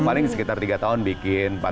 paling sekitar tiga tahun bikin